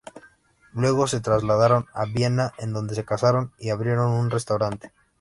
Luego se trasladaron a Viena, en donde se casaron y abrieron un restaurante.